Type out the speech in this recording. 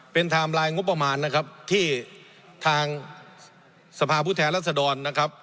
เป็นไทม์ไลน์งบประมาณที่ทางสภาพุทธแทนรัศดร